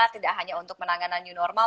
tidak hanya untuk penanganan new normal